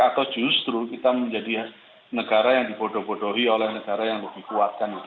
atau justru kita menjadi negara yang dibodoh bodohi oleh negara yang lebih kuat kan gitu